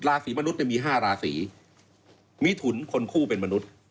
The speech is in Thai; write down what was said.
สีมนุษย์มี๕ราศีมีถุนคนคู่เป็นมนุษย์